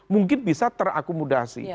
mungkin bisa terakomodasi